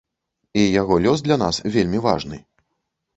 І яго лёс для нас вельмі важны.